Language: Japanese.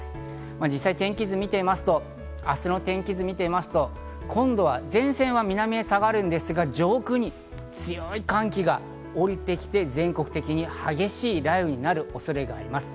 実際、天気図を見てみると明日の天気図を見てみますと今度は前線は南へ下がりますが、上空に強い寒気が降りてきて、全国的に激しい雷雨になる恐れがあります。